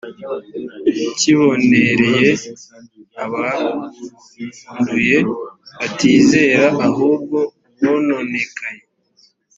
kibonereye abanduye batizera ahubwo bononekaye